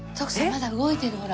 まだ動いてるほら。